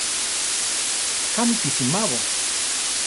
Kámi ti simabo?